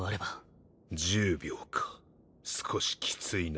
１０秒か少しきついな。